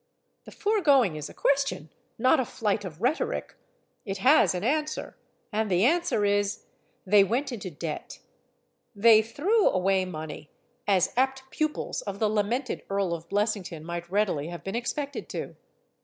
The foregoing is a question, not a flight of rhetoric. It has an answer. And the answer is: they went into debt. They threw away money; as apt pupils of the la mented Earl of Blessington might readily have been expected to.